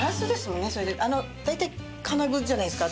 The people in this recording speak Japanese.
大体金具じゃないですか。